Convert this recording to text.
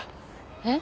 えっ？